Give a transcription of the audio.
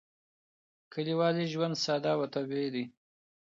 کلیوالي ژوند ساده او طبیعي دی.